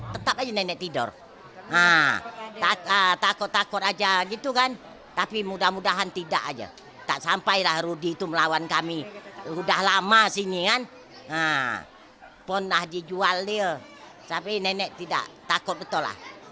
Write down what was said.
tapi nenek tidak takut betul lah